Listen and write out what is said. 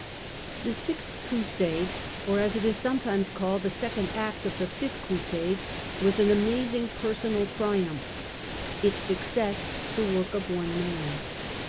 The Sixth Crusade, or, as it is sometimes called, the second act of the Fifth Crusade, was an amazing personal triumph, its success the work of one man.